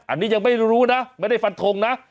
อันนี้ยังไม่รู้นะไม่ได้ฟันทงนะ